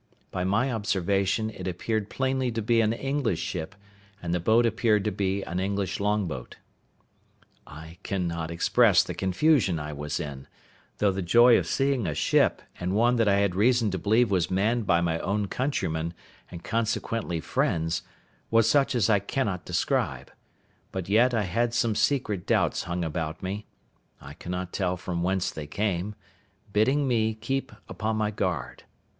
By my observation it appeared plainly to be an English ship, and the boat appeared to be an English long boat. I cannot express the confusion I was in, though the joy of seeing a ship, and one that I had reason to believe was manned by my own countrymen, and consequently friends, was such as I cannot describe; but yet I had some secret doubts hung about me—I cannot tell from whence they came—bidding me keep upon my guard.